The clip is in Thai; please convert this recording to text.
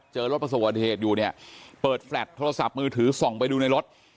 เจอรถประสบวัติเหตุอยู่เนี่ยเปิดแฟลตโทรศัพท์มือถือส่องไปดูในรถ